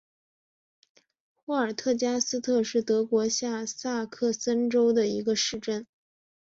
霍尔特加斯特是德国下萨克森州的一个市镇。